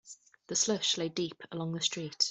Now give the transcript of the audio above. The slush lay deep along the street.